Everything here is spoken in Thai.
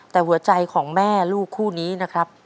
แต่หัวใจของแม่ลูกคู่นี้นะครับ